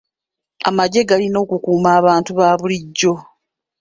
Amagye galina okukuuma abantu ba bulijjo.